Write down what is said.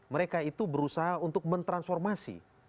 mereka itu berusaha untuk mentransformasi